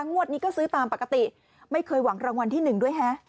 งวดนี้ก็ซื้อตามปกติไม่เคยหวังรางวัลที่๑ด้วยฮะ